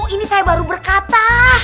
ini saya baru berkata